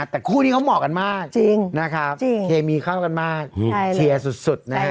แต่คู่นี้เขาเหมาะกันมากจริงนะครับเคมีเข้ากันมากเชียร์สุดนะฮะ